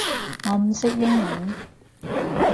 我唔識英文